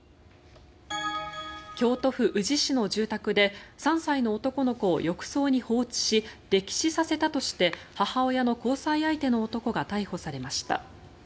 京都府宇治市の住宅で３歳の男の子を浴槽に放置し溺死させたとして母親の交際相手の男が逮捕されました。